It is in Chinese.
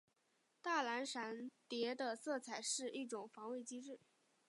大蓝闪蝶的色彩是一种防卫机制。